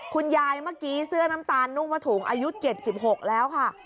คุณยายเมื่อกี้เสื้อน้ำตาลนุ่งมะถุงอายุ๗๖แล้วค่ะ